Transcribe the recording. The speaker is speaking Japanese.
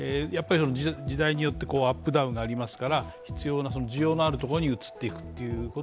時代によってアップダウンがありますから、必要な需要のあるところに移っていくということ。